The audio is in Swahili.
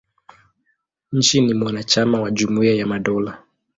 Nchi ni mwanachama wa Jumuia ya Madola.